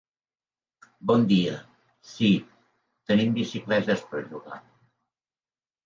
Bon dia, sí, tenim bicicletes per llogar.